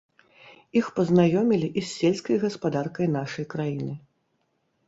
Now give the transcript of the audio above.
Іх пазнаёмілі і з сельскай гаспадаркай нашай краіны.